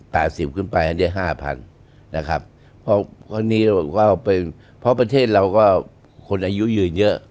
สิบขึ้นไปอันนี้ห้าพันนะครับเพราะครั้งนี้เราบอกว่าเป็นเพราะประเทศเราก็คนอายุยืนเยอะ